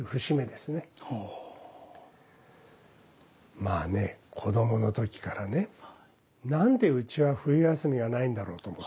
まあね子どもの時からね何でうちは冬休みがないんだろうと思ってたの。